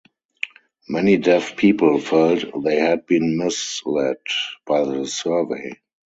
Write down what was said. Many Deaf people felt they had been misled by the survey.